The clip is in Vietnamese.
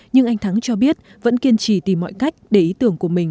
nhưng anh thắng cho biết vẫn kiên trì tìm mọi cách để ý tưởng của mình